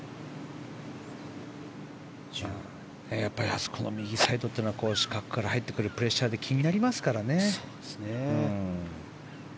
やっぱり、あそこの右サイドは視覚から入ってくるプレッシャーが気になりますからね。